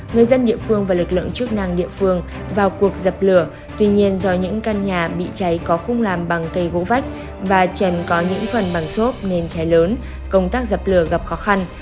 người dân địa phương và lực lượng chức năng địa phương vào cuộc dập lửa tuy nhiên do những căn nhà bị cháy có khung làm bằng cây gỗ vách và trần có những phần bằng xốp nên cháy lớn công tác dập lửa gặp khó khăn